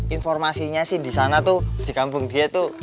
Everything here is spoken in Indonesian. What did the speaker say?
informasinya sih disana tuh di kampung dia tuh